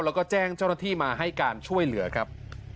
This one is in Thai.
แล้วก็แจ้งเจ้าหน้าที่มาให้การช่วยเหลือครับ